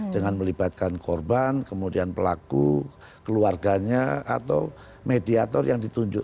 dengan melibatkan korban kemudian pelaku keluarganya atau mediator yang ditunjuk